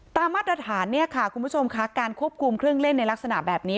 มาตรฐานเนี่ยค่ะคุณผู้ชมค่ะการควบคุมเครื่องเล่นในลักษณะแบบนี้